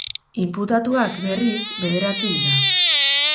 Inputatuak, berriz, bederatzi dira.